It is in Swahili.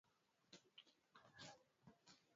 Daraja lina upana wa mita ishirini na nane nukta nne tano